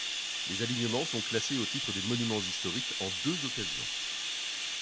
Les alignement sont classés au titre des monuments historiques en deux occasions.